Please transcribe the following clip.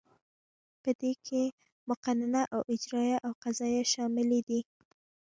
په دې کې مقننه او اجراییه او قضاییه شاملې دي.